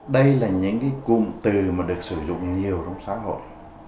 đây là những cái cụm từ mà được sử dụng nhiều trong xã hội